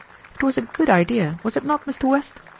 "It was a good idea, was it not, Mr. West?